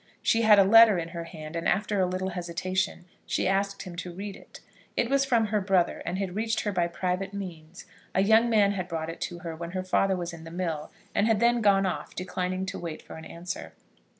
She had a letter in her hand, and after a little hesitation she asked him to read it. It was from her brother, and had reached her by private means. A young man had brought it to her when her father was in the mill, and had then gone off, declining to wait for any answer.